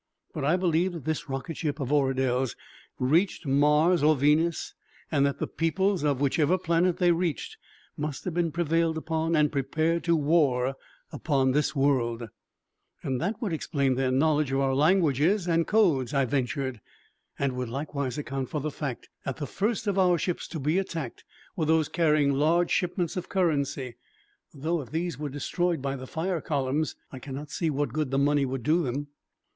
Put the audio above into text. But I believe that this rocket ship of Oradel's reached Mars or Venus and that the peoples of whichever planet they reached have been prevailed upon and prepared to war upon the world." "That would explain their knowledge of our languages and codes." I ventured, "and would likewise account for the fact that the first of our ships to be attacked were those carrying large shipments of currency. Though if these were destroyed by the fire columns, I can not see what good the money would do them."